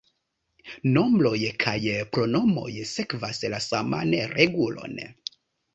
Nombroj kaj pronomoj sekvas la saman regulon.